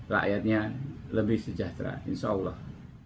rakyatnya lebih sejahtera insya allah